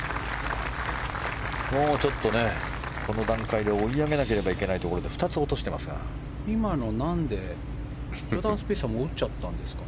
もうちょっとこの段階で追い上げなきゃいけないところで今の、なんでジョーダン・スピースはもう打っちゃったんですかね。